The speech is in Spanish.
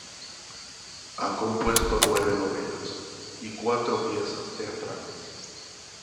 Ha compuesto nueve novelas y cuatro piezas teatrales.